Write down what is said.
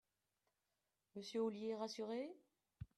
Monsieur Ollier est rassuré